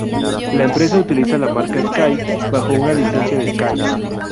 La empresa utiliza la marca Sky bajo una licencia de Sky.